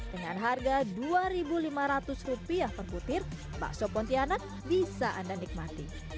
dengan harga rp dua lima ratus per butir bakso pontianak bisa anda nikmati